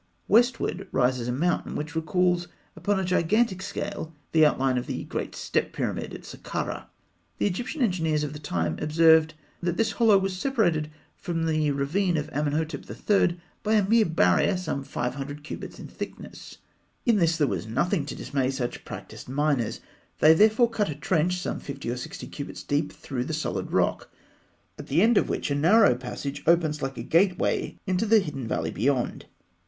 Westward rises a mountain which recalls upon a gigantic scale the outline of the great step pyramid of Sakkarah (fig. 137). The Egyptian engineers of the time observed that this hollow was separated from the ravine of Amenhotep III. by a mere barrier some 500 cubits in thickness. In this there was nothing to dismay such practised miners. They therefore cut a trench some fifty or sixty cubits deep through the solid rock, at the end of which a narrow passage opens like a gateway into the hidden valley beyond.